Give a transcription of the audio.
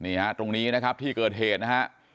ตรงนี้นะครับที่เกิดเหตุนะฮะ